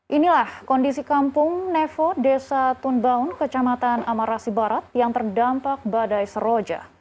inilah kondisi kampung nevo desa tunbaun kecamatan amarasi barat yang terdampak badai seroja